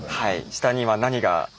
下には何が？